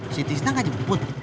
siti sina gak jemput